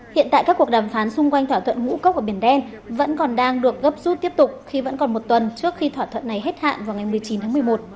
hiện tại các cuộc đàm phán xung quanh thỏa thuận ngũ cốc ở biển đen vẫn còn đang được gấp rút tiếp tục khi vẫn còn một tuần trước khi thỏa thuận này hết hạn vào ngày một mươi chín tháng một mươi một